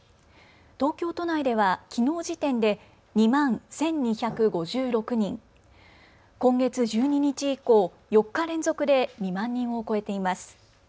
東京都内では、きのう時点で２万１２５６人、今月１２日以降、４日連続で２万人を超えています。